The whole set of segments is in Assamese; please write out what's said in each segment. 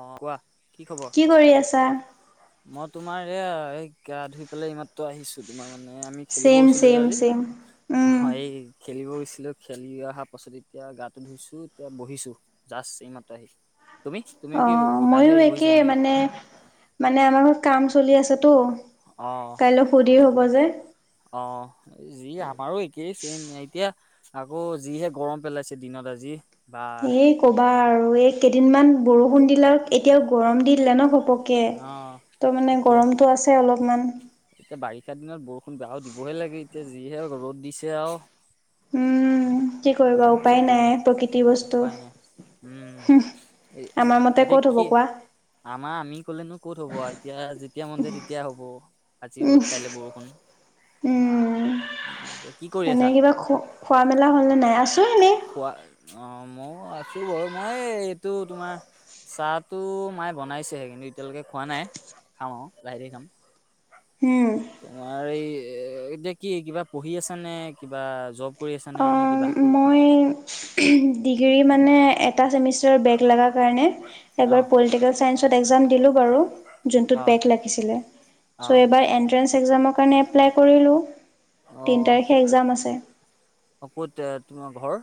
অ কোৱা কি কৰি আছা মই তোমাৰ এ এই গা ধুই পেলাই এই মাত্ৰ আহিছো তোমাৰ মানে এ আমি খেলিব ছেম গৈছিলো যে ছেম আজি ছেম। উম। হয়। খেলিব গৈছিলো খেলি অহা পাছত এতিয়া গাটো ধুইছো এতিয়া বহিছো জাষ্ট এইমাত্ৰ আহি তুমি তুমি অ কি গা ধুই ময়ো আহি বহিছা একে নেকি? মানে মানে আমাৰ ঘৰত কাম চলি আছে অ কাইলৈ সুধিৰ হব যে অ যি আমাৰো একেই চেইম এতিয়া আকৌ যিহে গৰম পেলাইছে দিনত আজি বা এই কবা আৰু এই কেইদিনমান বৰষুণ দিলে এতিয়াও গৰম দি দিলে ন ঘপ পক অ ত মানে এতিয়া গৰমতটো আছে অলপমান এতিয়া বাৰিষা দিনত বৰষুণ বেয়াও দিবহে লাগে এতিয়া যিহে ৰ'দ দিছে আৰু উম কি বা কৰিবা কি উপায় ক'বা। নাই প্ৰকৃতি বস্তু উপায় নাই উম আমাৰ মতে এতিয়া ক'ত হ'ব কি কোৱা। আমাৰ আমি কলেনো ক'ত হ'ব এতিয়া যেতিয়া মন যায় তেতিয়া হ'ব আজি উম। ৰ'দ কাইলৈ বৰষুণ উম, এ কি কৰি এনে আছা কিবা খো খোৱা মেলা হল নে নাই আছো এনেই খোৱা অ মই আছো বাৰু মই এইটো তোমাৰ চাহটো মায়ে বনাইছেহে কিন্তু এতিয়ালৈকে খোৱা নাই খাম আৰু বাহতে খাম উম। তোমাৰ এই এতিয়া কি কিবা পঢ়ি আছা নে কিবা জব কৰি আছা নে নে কিবা অ' মই ডিগ্ৰী মানে এটা চেমিষ্টাৰ বেগ লগাৰ কাৰণে অ এবাৰ পলিটিকেল চায়ঞ্চত এক্সাম দিলোঁ বাৰো, জোনটো অ বেক লাগিছিলে। অ চ এইবাৰ এণ্ট্ৰেন্স এক্সাম কাৰণে এপ্লাই কৰিলোঁ তিনি তাৰিখে একজাম আছে অ ক'ত তোমাৰ ঘৰ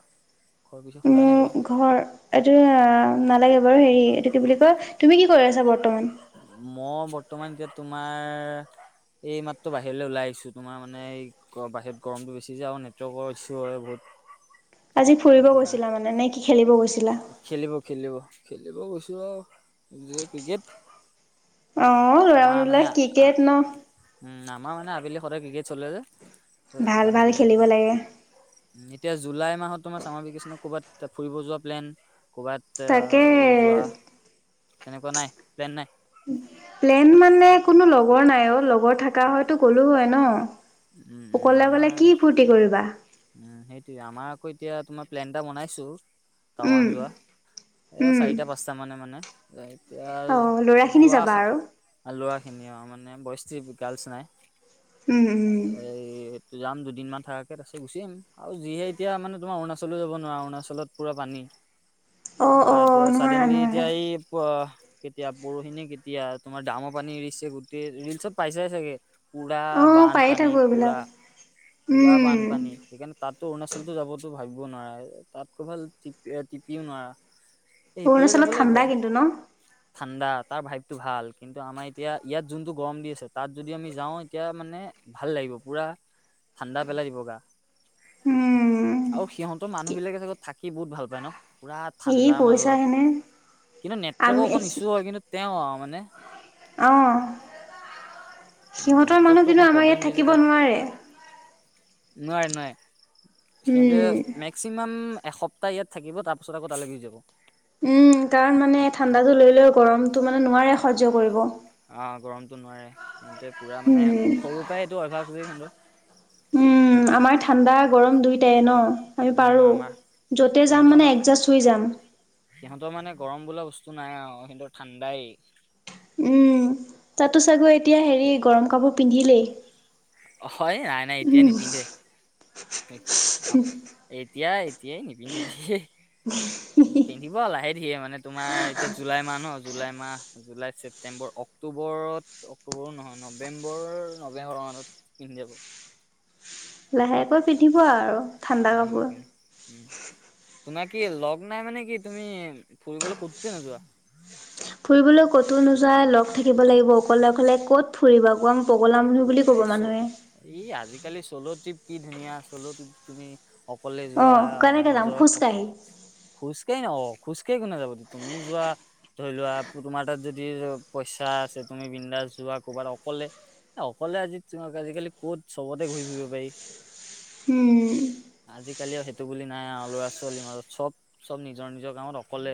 ঘৰৰ পিছে সোধাই নাই বাৰু মোৰ ঘৰ এইটো নালাগে বাৰু হেৰি এইটো কি বুলি কয় তুমি কি কৰি আছা বৰ্ত মই বৰ্তমান এতিয়া তোমাৰ এই মাত্ৰ বাহিৰলৈ ওলাই আহিছো তোমাৰ মানে এই বাহিৰত গৰমতটো বেছি যে আৰু নেটৱৰ্কৰ ইছু হয় বহুত আজি ফুৰিব সেইটো কাৰণে গৈছিলা মানে নে কি খেলিব গৈছিলা? খেলিব খেলিব খেলিব গৈছো ও ক্ৰিকেট অ লৰা আমাৰ মানুহবিলাক ক্ৰিকেট ন মা মানে আবেলি সদায় কি কি চলে যে। ভাল ভাল ই খেলিব লাগে। এতিয়া জুলাই মাহত তোমাৰ চামৰ বিকেচনত ক'ৰবাত ফুৰিব যোৱা প্লেন কৰ'ৰবাত তাকে যোৱা তেনেকুৱা নাই প্লেন নাই? প্লেন মানে কোনো লগৰ নাই অ লগৰ থকা হয়তো গ'লো হয় ন উম উম অকলে অকলে আমাৰ কি ফূৰ্তি কৰিবা উম সেইটোয়ে আমাৰ আকৌ এতিয়া তোমাৰ প্লেন এটা বনাইছো উম টাৱাং যোৱা এ উম চাৰিটা পাঁচটা মানে মানে এতিয়া অ ল'ৰাখিনি যাবা আৰু যোৱা ল'ৰাখিনি আৰু মানে বইস ট্ৰিপ গাৰ্লচ নাই উম উম এই যাম দুদিনমান থাকা কে তাৰ পাছত গুচিম আহিম আৰু যিহে এতিয়া মানে তোমাৰ অৰুণাচলো যাব নোৱাৰা অৰুণাচলত পুৰা পানী অ এতিয়া চডেনলি এতিয়া এই প কেতিয়া পৰহি নে কেতিয়া তোমাৰ ডামৰ পানী এৰিছে গোটেই ৰিল চব পাইছাই চাগে পুৰা অ পায়ে বানপানী থাকো পুৰা এইবিলাক পুৰা উম বান পানী সেইকাৰণে তাতো অৰুণাচলত যাবো ভাবি ব নোৱাৰে তাত ক' ভাল টিপ টিপিও নোৱাৰা। এইফালে যাব অৰুণাচলত লাগিব ঠাণ্ডা কিন্তু ন? ঠাণ্ডা তাৰ ভাইভটো ভাল কিন্তু আমাৰ এতিয়া ইয়াত যোনটো গৰম দি আছে তাত যদি আমি যাওঁ এতিয়া মানে ভাল লাগিব পুৰা ঠাণ্ডা পেলাই দিব গা উম আৰু সিহতৰ মানুহ সি বিলাকে চাগত থাকি বহুত ভাল পায় ন? পুৰা ঠাণ্ডাৰ পইচা মাজত হেনে কিন্তু নেটৱৰ্কৰ আমি অকণ ইছ্যু হয় কিন্তু তেওঁ আহ মানে অঁ সিহঁতৰ মানুহ নেটৱৰ্কটো কিন্তু অকণ আমাৰ প্ৰব্লেম ইয়াত দিছে থাকিব তাত নোৱাৰে নোৱাৰে নোৱাৰে উম সিহঁতে মেক্সিমাম এসপ্তাহ ইয়াত থাকিব তাৰপিছত আকৌ তালৈ গুচি যাব। উম কাৰণ মানে ঠাণ্ডাটো লৈ লৈ গৰমতটো মানে নোৱাৰে সজ্য কৰিব। অ গৰমতটো নোৱাৰে সহতে পুৰা মানে উম, সৰুৰ পৰাই এইটো অভ্যাস হৈছে কিন্তু উম আমাৰ ঠাণ্ডা গৰম দুইটাই ন আমি উম পাৰো আমাৰ যতে যাম সিহঁতৰ মানে মাত একজাষ্ট শই যাম। সিহঁতৰ মানে গৰম বোলা বস্তু নাই আৰু সিহঁত ঠাণ্ডাই উম তাতো চাগৈ এতিয়া হেৰি গৰম কাপোৰ পিন্ধিলেই হয় নাই নাই এতিয়াই উম, নিপিন্ধে আহ এতিয়াই এতিয়াই নিপিন্ধে দেই পিন্ধিব লাহে ধিয়ে মানে তোমাৰ এতিয়া জুলাই মাহ ন জুলাই মাহ মাহ জুলাই ছেপ্টেম্বৰ অক্টোবৰত অক্টোবৰো নহয় নৱেম্বৰ নৱেম্বৰৰ মানত পিন্ধি যাব লাহেকৈ পিন্ধিব আৰু ঠাণ্ডা পিন্ধিব কাপোৰ। পাৰে ও তোমাক কি লগ নাই মানে কি তুমি ফুৰিবলৈ কতো নোযোৱা ফুৰিবলৈ ক'তো নোযায় লগ থাকিব লাগিব অকলে অকলে ক'ত ফুৰিবা কোৱা পগলা মানুহ এ বুলি ক'ব চ মানুহে ই আজিকালি চ'ল' ট্ৰিপ কি ধুনীয়া চ'ল' ট্ৰিপ তুমি সকলে যোৱা অ', কেনেকে যাম এনজয় খোজকাঢ়ি। খোজ কে নকঅ খোজকাঢ়ি ন যাব তুমি যোৱা ধৰি লোৱা তোমাৰ তাত যদি পইচা আছে তুমি বিন্দাছ যোৱা ক'ৰবাত অকলে অকলে আজি তোমাক আজিকালি ক'ত চবতে ঘূৰি ফুৰিব উম, পাৰি আজিকালিও সেইটো বুলি নাই আৰু ল'ৰা ছোৱালীৰ মাজত চব চব নিজৰ নিজৰ কামত অকলে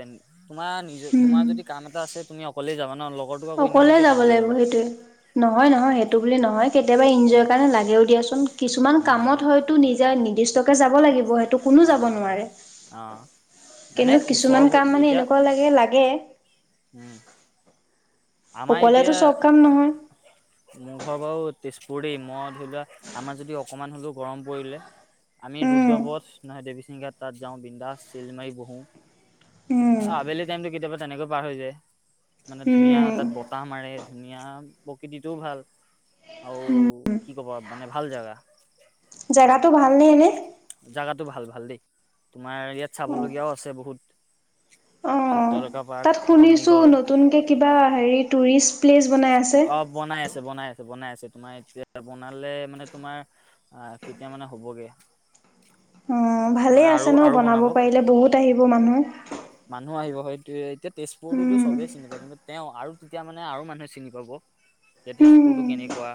তোমাৰ নিজ তোমাৰ উম। যদি কাম এটা আছে তুমি অকলেই যাবা ন। লগৰটোক আকৌ এনে এনে অকলে কিয় যাব টানি লৈ লাগিব যাবা সেইটোৱে। নহয় নহয় সেইটো বুলি নহয় কেতিয়াবা ইনজয়ৰ কাৰণে লাগেও দিয়াচোন কিছুমান উম কামত হয়তো নিজে নিৰ্দিষ্ট যাব লাগিব সেইটো কোনো অ যাব সেইটো নোৱাৰে অ মানে কিন্তু কিছুমান ওচৰবোৰ কাম মানে এতিয়া এনেকুৱা লাগে লাগে উম আমাৰ অকলেতো এতিয়া চব কাম নহয়। মোৰ ঘৰ বাৰু তেজপুৰ দেই মই ধৰি লোৱা আমাৰ যদি অকণমান হ'লেও গৰম পৰিলে। আমি উম ৰুদ্ৰপথ নহয় দেৱীসিংঘাট তাত যাওঁ বিন্দা তিলমাৰি বহো। উম আবেলি টাইমতটো কেতিয়াবা তেনেকৈ পাৰ হৈ যায়। উম ম ধুনীয়া প্ৰকৃতিটোও ভাল আৰু কি ক'ব মানে ভ ভাল জাগা‌। জেগাতটো ভালনে এনে। জাগাতটো ভাল ভাল দেই তোমাৰ ইয়াত চাবলগীয়াও আছে বহুত। অঁ চিত্ৰলেখা পাৰ্ক তাত শুনিছো অগ্নিগড় নতুনকে কিবা হেৰি টুৰিষ্ট। প্লেজ বনাই আছে। অ বনাই আছে বনাই আছে বনাই আছে তোমাৰ এতিয়া বনালে মানে তোমাৰ কেতিয়া মানে হ'বগে। অ ভালে মানে আৰু আছে ন আৰু বনাব পাৰিলে বহুত আহিব মানুহ। হয় এতিয়া তেজপুৰতোতো উম চবেই চিনি পায় কিন্তু তেওঁ আৰু তেতিয়া মানে আৰু মান। তে উম কেনেকোৱা।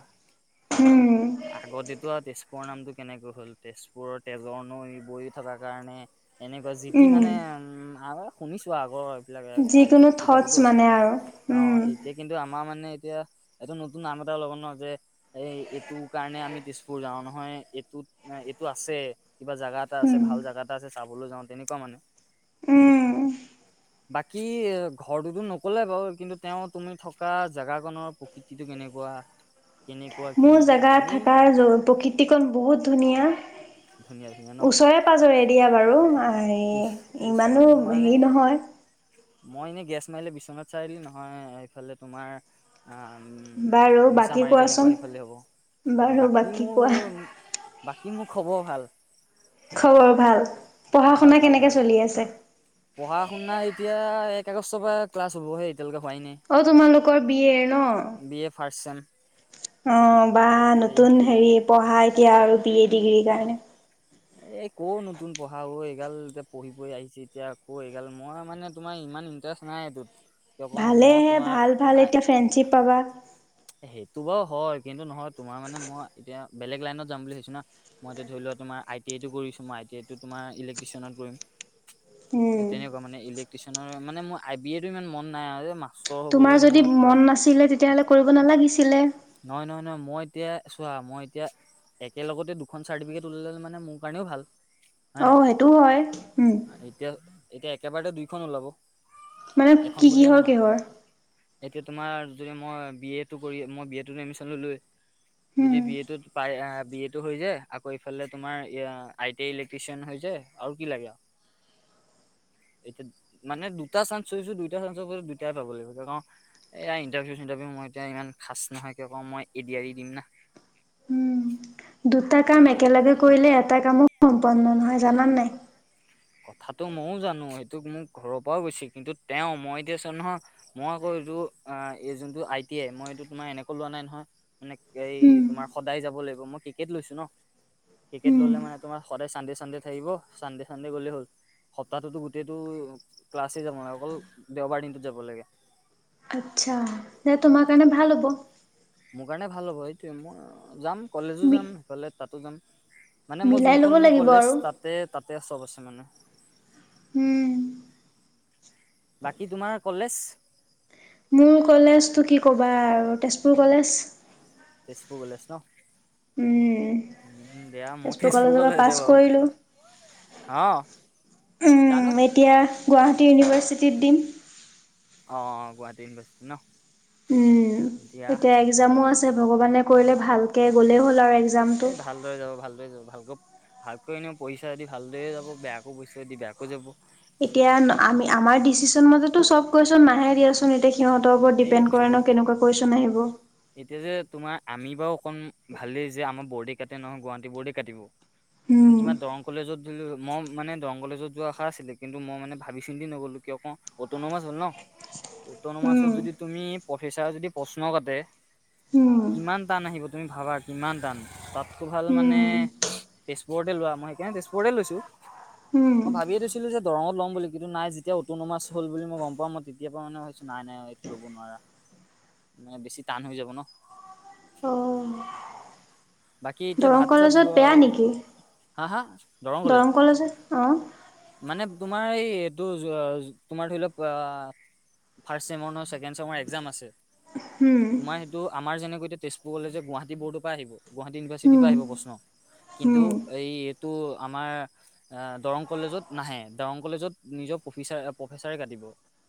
উম। আগতেতো আৰু তেজপুৰৰ নামতটো কেনেকৈ হ'ল তেজপুৰৰ তেজৰ ন বৈ থকাৰ কাৰণে। এনেকুৱা জিতি উম, মানে উম আৰু শুনিছো আগৰ যিবিলাক আই টি যিকোনো থটছ আইকিতাপতো আছে মানে আৰু অ উম, এতিয়া কিন্তু আমাৰ মানে এতিয়া এটো নতুন নাম এটা ল'ব ন যে এই এইটো কাৰণে আমি তেজপুৰ যাও নহয় ম এইটোত এইটো আছে কিবা জাগা এটা আছে উম, ভাল জাগা এটা আছে চাবলৈ যাওঁ তেনেকুৱা মানে উম বাকী ঘৰটোতো নকলে বাৰু কিন্তু তেওঁ তুমি থ থকা জোগাখনৰ প্ৰকৃতিটো কেনেকুৱা কেনে মোৰ জেগা থকা প্ৰকৃতিকণ বহুত ধুনীয়া ধুনীয়া ধুনীয়া ন ওচৰে পাজৰে দিয়া বাৰু ওচ হাযি ওচৰত ইমানো মানে হেৰি নহয়। মই এনেই গেছ মাৰিলে বিশ্বনাথ চাৰিলি নহয় এইফালে তোমাৰ। অ বাৰু মিছা বাকী মাৰি কোৱাচোন? তেনেকুৱা সেইফালে হ'ব। বাৰু বাকী কোৱা। কি মোৰ খবৰ ভাল। খবৰ ভাল। পঢ়া ভাল শুনা ভাল কেনেকে ভাল চলি আছে? পঢ়া শুনা এতিয়া। এক আগষ্টৰ পৰা ক্লাছ হব সেই অ তোমালোকৰ বিয়ে ন বি এ ফাৰ্ষ্ট চেম অ বা নতুন এইটোৱে হেৰি পঢ়া এতিয়া আৰু বি এ ডিগ্ৰ্ৰী কাৰণে এই ক নতুন পঢ়া এইগাল এতিয়া পঢ়ি পঢ়ি আহিছে এতিয়া আকৌ এই গাল মই মানে তোমাৰ। ইমান ইণ্টাৰেষ্ট নাই এইটোত। কিয় কওঁ ভালে মই হে তোমাৰ ভাল ভাল এতিয়া ফ্ৰেণ্ডশ্বিপ পাবা। সেইটো বাৰু হয় কিন্তু নহয় তোমাৰ মানে মই এতিয়া বেলেগ লাইনত যাম বুলি ভাবছো না মই এতিয়া ধৰি লোৱা তোমাৰ। আই টি আইটো কৰিছো মই টিইটো তোমাৰ ইক্ট্ৰিচিয়নত কৰিম। উম। তেনেকুৱা মানে ইলেক্ট্ৰিচিয়নৰ মানে মোৰ আই বি এ ইমান মন নাই আৰু মা তোমাৰ যদি মন নাছিলে তেতিয়াহ'লে কৰিব নালাগিছিলে নহয় নহয় নহয় মই এতিয়া চোৱা, মই এতিয়া একে লগতে দুখন চাৰ্টিফিকেট ওলাল মানে মোৰ কাৰণেও ভাল। হয় আহ নাই সেইটোও হয় উম। এতিয়া এতিয়া একেবাৰতে দুইখন ওলাব। মানে এখন কি বুলিয়ে কিহৰ নহয় কিহৰ? এতিয়া তোমাৰ যদি মই বি এটো কৰি মই বি এ তটো এডমিচন ললো উম যদি বি এ টোত পায় বি এ টো হৈ যায় আকৌ এইফালে তোমাৰ আই টি ইলেক্ট্ৰিচিয়ান হৈ যায় আৰু কি লাগে আৰু। [unintelligible] মানে দুটা [unintelligible] পাব লাগিব এয়া ইণ্টাৰভিউ মই এতিয়া ইমান খাচ নহয় কে কওঁ মই এ দি আৰ ই দিম না। উম দুটা কাম এই একেলগে কৰিলে এটা কামো সম্পন্ন নহয় জানান নাই? কথাটো ময়ো জানো সেইটোক মোক ঘৰৰ পৰাও কৈছে কিন্তু তেওঁ মই এতিয়াছ নহয় মই আ যোনটো আই টি মই এইটো তোমাৰ এনেকে লোৱা নাই নহয় মানে এই উম তোমাৰ সদায় যাব লাগিব মই ক্ৰিকেট লৈছো ন, ক্ৰিকেট উম ললে মানে তোমাৰ সদায় চানডে চানডে থাকিব, চানডে চানডে গ'লে হ'ল। সপ্তাহটোতো গোটেইটো ক্লাছে যাব নালাগে অকল দেওবাৰ দিনটোত যাব লাগে। আচ্ছা, নাই তোমাৰ কাৰণে ভাল হ'ব। মোৰ কাৰণে ভাল হ'ব এইটোৱে মই যাম কলেজো মি যাম, সেইফালে তাতো যাম। মানে মই মিলাই ল'ব যোনখন মোৰ লাগিব কলেজ আৰু তাতে তাতে চব আছে মানে। হুম। বাকী তোমাৰ কলেজ? মোৰ কলেজটো কি ক'বা আৰু তেজপুৰ কলেজ। তেজপুৰ কলেজ ন। উম উম দিয়া মোৰ তেজপুৰ কলেজৰ পৰা পাছ কলেজতে বাৰু কৰিলো। অ জানো উম, এতিয়া গুৱাহাটী ইউনিভাৰ্চিটিত দিম। অ গুৱাহাটীত বছো ন। উম, দিয়া এতিয়া ভাল একজামো হ'ব আছে ভগৱানে কৰিলে ভালকে গ'লে হল। আৰু এক্সামটো। এ ভালদৰে যাব ভালদৰে যাব ভালকৈ ভালকৈ আনিব পইচা দি ভালদৰে যাব বেয়াকো পইচা দি বেয়াকৈ যাব। এতিয়া আমি আমাৰ ডিচিচন মাজতো চব কুৱেচন নাহে দিয়াচোন এতিয়া সিহতৰ ওপৰত এই ডিপেণ্ড কৰা বহুত ন কেনেকুৱা কুৱেচন আহিব? এতিয়া যে তোমাৰ আমি বাৰু অকমান ভালেই যে আমাৰ বৰ্ডে কাটে নহয় গুৱাহাটী বৰ্ডে কাটিব। কিন্তু উম, তোমাৰ দৰং কলেজত মই মানে দৰং কলেজত যোৱা আশা আছিলে কিন্তু মই মানে ভাবি চিন্তি নগ'লো কিয় ক অট'ন'মাছ হ'ল ন। অটনমাচত উম, যদি তুমি প্ৰফেচাৰ যদি প্ৰশ্ন কাটে উম, কিমান টান আহিব তুমি ভাবা কিমান টান, তাতকৈ ভাল মানে উম, তেজপুৰতে লোৱা মই সেইকাৰণে তেজপুৰতে লৈছোঁ। উম। আছিলো যে দৰংত ল'ম বুলি কিন্তু নাই যেতিয়া অটনমাচ হল বুলি মই গম পাও মই তেতিয়া পৰা মানে ভাবিছো নাই এইটো ল'ব নোৱাৰা। উ [unintelligible] মানে বেছি টান হৈ যাব ন। অ' বাকি এতিয়া দৰং ভাত চাত কলেজত বেয়া নেকি? হা হা! দৰং কলেজত অ। মানে তোমাৰ এই এইটো তোমাৰ ধৰি লওঁক আ ফাৰ্ষ্ট ছেমৰ ন ছেকেণ্ড চেমৰ একজাম আছে। হুম, তোমাৰ সেইটো আমাৰ যেনেকৈ এতিয়া তেজপুৰ কলে যে গুৱাহাটী বৰ্ডৰ পৰা আহিব, গুৱাহাটী ইউনিভাৰ্চিটিৰ হুম, পৰা আহিব প্ৰশ্ন। কিন্তু হুম। এই এইটো আমাৰ দৰং কলেজত নাহে, দৰং কলেজত নিজৰ প্ৰফেচাৰ প্ৰফেচাৰে কাটিব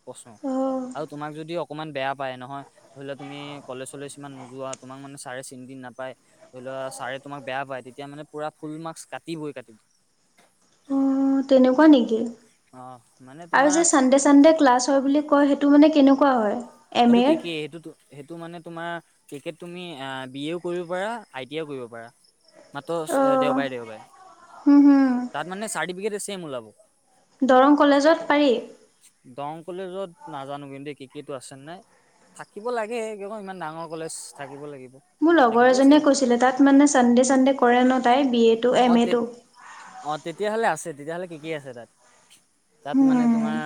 প্ৰশ্ন। অ', আৰু তোমাক যদি অকমান বেয়া পায় নহয় ধৰি লোৱা তুমি কলেজ চলেজ ইমান নোযোৱা তোমাক মানে ছাৰে চিন্তি নাপায় ধৰি লোৱা ছাৰে তোমাক বেয়া পায় তেতিয়া মানে পুৰা ফুল মাৰ্কা কাতি বই কাতিব উম ও তেনেকুৱা নেকি? অ মানে আৰু তোমাৰ যে চান্দে চান্দে ক্লাছ হয় বুলি কৈ হেইটো তোৰ মানে কেনেকুৱা হয় এম সেইটো এৰ? কেকে কি সেইটো সেইটো মানে তোমাৰ ক্ৰিকেট তুমি বি এও কৰিব পাৰা আই টিও কৰিব পাৰা মাত্ৰ অ'। দেওবাৰে দেওবাৰে হুম হুম, তাত মানে চাৰ্টিফিকেট ছেম ওলাব দৰং কলেজত পাৰি দৰং কলেজত নাজানো কিন্তু ক্ৰিকেটো চেন্নাই থাকিব লাগে ক ইমান ডাঙৰ কলেজ থাকিব লাগিব মোৰ লগৰ থাকিবই এজনীয়ে চাগে কৈছিলে তাত মানে চানডে চানডে কৰে ন তাই বি এড টো অ এম এ তে টো অ তেতিয়াহলে আছে তেতিয়াহ'লে কি কি আছে তাত তাত মানে হুম, তোমাৰ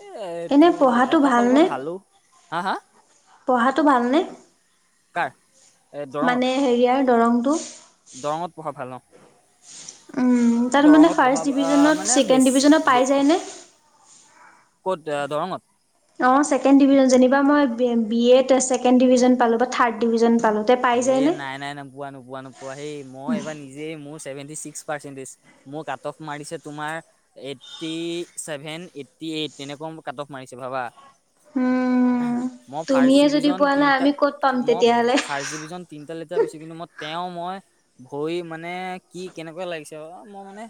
এ এনে এইটো পঢ়াটো এটা ফালৰ পৰা ভালনে? ভালো হা হা পঢ়াটো ভালনে কাৰ এই দৰঙত মানে হেৰিয়াৰ দৰংটো দৰঙত পঢ়া ভাল নওঁ উমতাত মানে ফাৰ্ষ্ট ডিভিজনত মানে ছেকেণ্ড বেছি ডিভিজনত পাই যায়নে ক'ত দৰঙত অ ছেকেণ্ড ডিভিজন যেনিবা মই বি এত ছেকেণ্ড ডিভিজন পালো বা থাৰ্ড ডিভিজন পা এ নাই নাই নোপোৱা নোপোৱা নোপোৱা সেই মই এইবাৰ নিজে মোৰ চেভেন্তি চিক পৰসেন্দিছ মোৰ কাটফ মাৰিছে তোমাৰ এইটি চেভেন এইটি এইট এক কাটফ মাৰিছে ভাবা উম মই ফাৰ্ষ্ট তুমিয়ে যদি ডিভিজন পোৱা নাই আমি ক'ত পাম তেতিয়াহলে তিনটা লেটাৰ পাইছো কিন্তু মই তেওঁ মই ভৰি মানে কি কেনেকুৱা লাগিছে মই মানে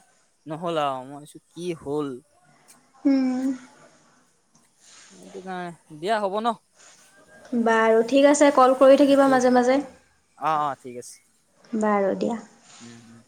নহ'লা মাৰছো কি হ'ল উম। সেইটো কাৰণে। দিয়া হ'ব ন। বাৰু ঠিক আছে কল কৰি থাকিবা মাজে মাজে অ অ ঠিক আছে বাৰু দিয়া। উম হম